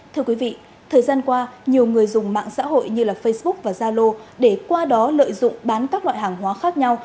thưa quý vị thời gian qua nhiều người dùng mạng xã hội như facebook và zalo để qua đó lợi dụng bán các loại hàng hóa khác nhau